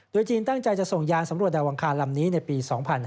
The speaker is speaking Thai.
จีนตั้งใจจะส่งยานสำรวจดาวอังคารลำนี้ในปี๒๕๕๙